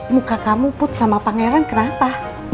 muka kamu put sama pangeran kenapa